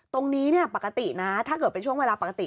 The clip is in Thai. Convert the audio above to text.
ตรงนี้ปกตินะถ้าเกิดเป็นช่วงเวลาปกติ